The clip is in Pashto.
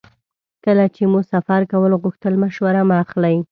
کله چې مو سفر کول غوښتل مشوره مه اخلئ.